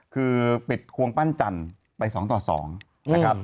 คือปิดควงปั้นจันทร์ไป๒ต่อ๒นะครับ